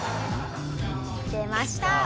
出ました！